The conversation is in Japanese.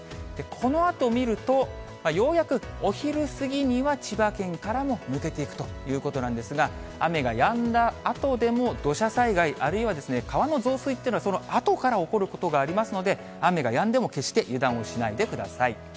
このあと見ると、ようやくお昼過ぎには千葉県からも抜けていくということなんですが、雨がやんだあとでも土砂災害、あるいは川の増水っていうのは、そのあとから起こることがありますので、雨がやんでも決して油断をしないでください。